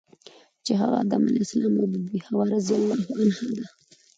چی هغه ادم علیه السلام او بی بی حوا رضی الله عنها ده .